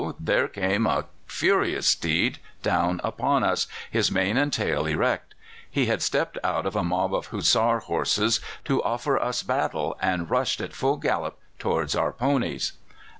there came a furious steed down upon us, his mane and tail erect. He had stepped out of a mob of Hussar horses to offer us battle, and rushed at full gallop towards our ponies.